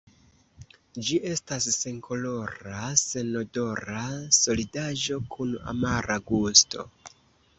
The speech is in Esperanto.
Ĝi estas senkolora senodora solidaĵo kun amara gusto.